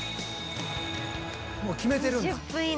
もう決めてるんだ。